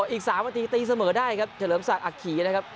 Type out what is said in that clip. อีก๓นาทีตีเสมอได้ครับเฉลิมศักดิ์อักขี่นะครับ